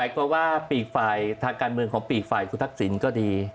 ก็ว่าปีกฝ่ายทางการเมืองของปีกฝ่ายคุณทักษิณก็ดี